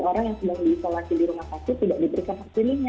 orang yang sedang diisolasi di rumah sakit tidak diberikan hak pilihnya